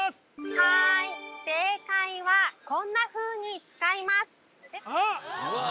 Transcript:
はい正解はこんなふうに使いますああ